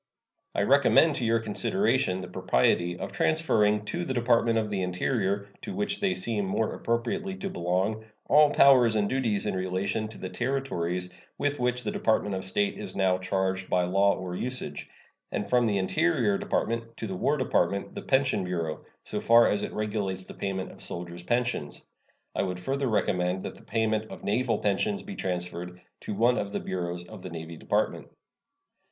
I recommend to your consideration the propriety of transferring to the Department of the Interior, to which they seem more appropriately to belong, all powers and duties in relation to the Territories with which the Department of State is now charged by law or usage; and from the Interior Department to the War Department the Pension Bureau, so far as it regulates the payment of soldiers' pensions. I would further recommend that the payment of naval pensions be transferred to one of the bureaus of the Navy Department.